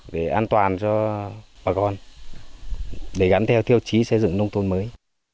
để an toàn cho bà con để gắn theo tiêu chí xây dựng nông thôn mới